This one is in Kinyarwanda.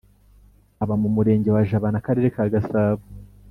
aba mu Murenge wa Jabana Akarere ka Gasbo